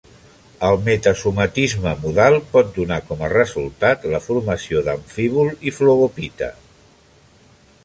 El metasomatisme modal pot donar com a resultat la formació d'amfíbol i flogopita.